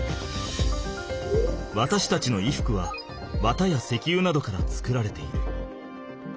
わたしたちの衣服は綿や石油などから作られている。